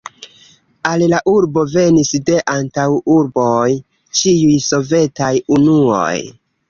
Al la urbo venis de antaŭurboj ĉiuj sovetaj unuoj.